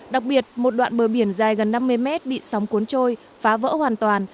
đặc biệt một đoạn bờ biển dài gần năm mươi mét bị sóng cuốn trôi phá vỡ hoàn toàn